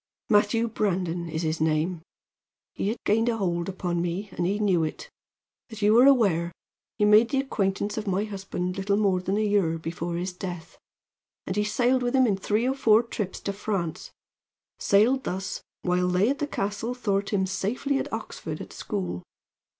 "Matthew Brandon is his name. He had gained a hold upon me, and he knew it. As you are aware, he made the acquaintance of my husband little more than a year before his death; and he sailed with him in three or four trips to France sailed thus while they at the castle thought him safely at Oxford at school.